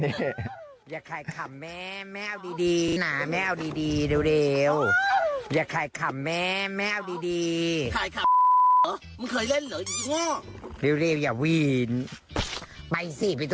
น่าไม่เอาดี